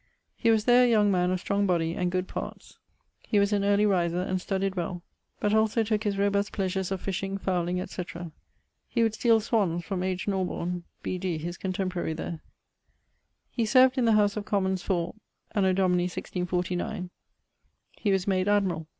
He was there a young man of strong body, and good parts. He was an early riser and studyed well, but also tooke his robust pleasures of fishing, fowling, &c. He would steale swannes from H. Norborne, B.D., his contemporary there. He served in the House of Commons for.... Anno Domini <1649> he was made admirall.